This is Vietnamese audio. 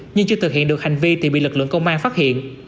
nhưng chưa thực hiện được hành vi thì bị lực lượng công an phát hiện